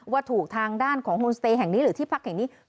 ว่าถูกทางด้านของโฮนสเตย์แห่งนี้หรือที่พักแห่งนี้